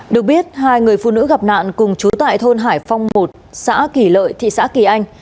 được biết hai người phụ nữ gặp nạn cùng chú tại thôn hải phong một xã kỳ lợi thị xã kỳ anh